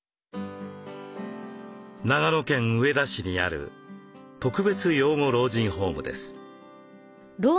長野県上田市にある特別養護老人ホームです。